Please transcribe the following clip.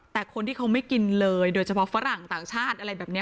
แต่คนที่เขาไม่กินเลยโดยเฉพาะฝรั่งต่างชาติอะไรแบบนี้